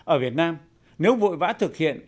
ở việt nam nếu vội vã thực hiện